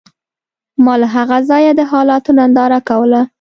ما له هغه ځایه د حالاتو ننداره کوله